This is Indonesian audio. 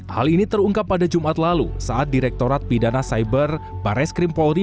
hal ini terungkap pada jumat lalu saat direktorat pidana cyber bares krimpolri